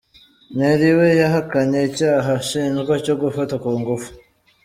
Nelly we yahakanye icyaha ashinjwa cyo gufata ku ngufu.